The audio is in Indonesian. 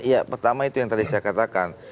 ya pertama itu yang tadi saya katakan